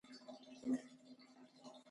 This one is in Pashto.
په قضايي چارو کې یې مداخله کوله.